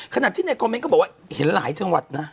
ขณะที่ในคอมเมนต์ก็บอกว่าเห็นหลายจังหวัดนะ